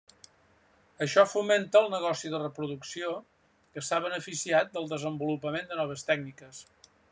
Això fomenta el negoci de reproducció, que s'ha beneficiat del desenvolupament de noves tècniques.